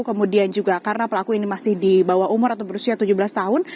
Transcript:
kemudian juga karena pelaku ini masih di bawah umur atau berusia tujuh belas tahun